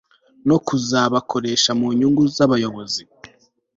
no kuzabakoresha mu nyungu z'abayobozi